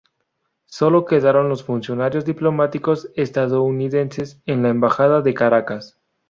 Sólo quedaron los funcionarios diplomáticos estadounidenses en la Embajada de Caracas.